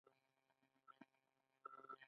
آیا کښتۍ په سمندر کې نه ځي؟